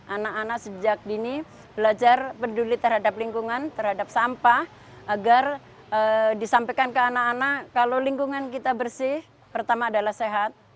anak anak sejak dini belajar peduli terhadap lingkungan terhadap sampah agar disampaikan ke anak anak kalau lingkungan kita bersih pertama adalah sehat